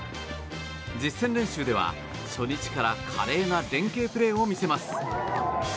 実戦練習では、初日から華麗な連係プレーを見せます。